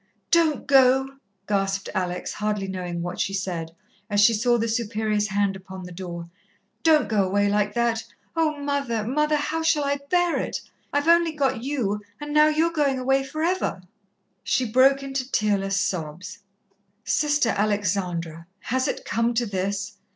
"Don't go!" gasped Alex, hardly knowing what she said, as she saw the Superior's hand upon the door. "Don't go away like that. Oh, Mother, Mother, how shall I bear it? I've only got you and now you're going away for ever." She broke into tearless sobs. "Sister Alexandra! Has it come to this?